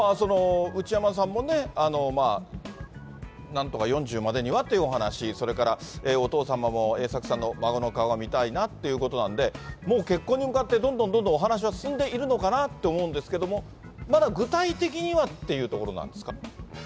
内山さんもね、なんとか４０までにはというお話、それからお父様も、栄作さんの孫の顔が見たいなということなんで、もう結婚に向かって、どんどんどんどんお話は進んでいるのかなと思うんですけれども、まだ具体的にはっていうところなんですか。